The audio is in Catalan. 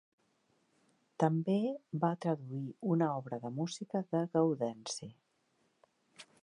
També va traduir una obra de música de Gaudenci.